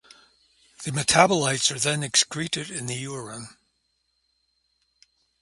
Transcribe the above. The metabolites are then excreted in the urine.